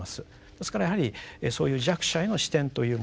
ですからやはりそういう弱者への視点というもの